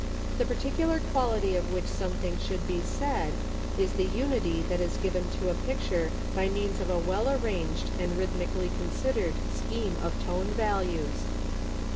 The particular quality of which something should be said, is the unity that is given to a picture by means of a well arranged and rhythmically considered scheme of tone values.